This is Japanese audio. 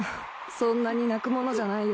そんなに泣くものじゃないよ。